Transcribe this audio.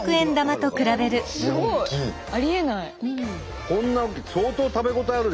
すごい。ありえない。